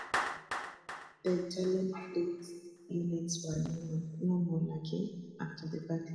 The Italian fleet units were no more lucky after the battle.